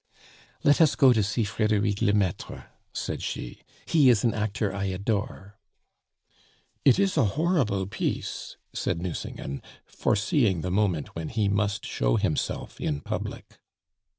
"Let us go to see Frederick Lemaitre," said she; "he is an actor I adore." "It is a horrible piece," said Nucingen foreseeing the moment when he must show himself in public.